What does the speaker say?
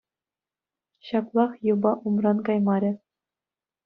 Ҫаплах юпа умран каймарӗ.